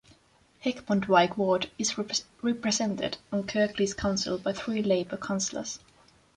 Heckmondwike ward is represented on Kirklees Council by three Labour councillors.